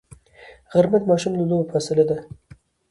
غرمه د ماشوم له لوبو فاصله ده